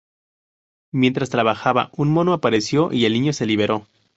Mientras trabajaba, un mono apareció, y el niño se liberó.